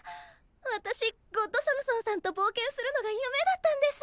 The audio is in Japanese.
私ゴッドサムソンさんとぼうけんするのが夢だったんです！